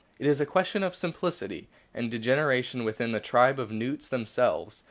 It is a question of simplification and de oreneration within the tribe of newts themselves.